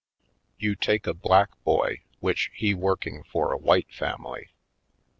You take a black boy which he work ing for a w^hite family.